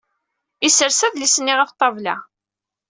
Isers adlis-nni ɣef ṭṭabla.